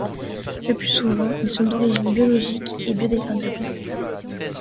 Le plus souvent, ils sont d'origine biologique et biodégradables.